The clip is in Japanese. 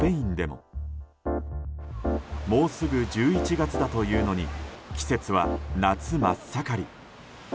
もうすぐ１１月だというのに季節は夏真っ盛り。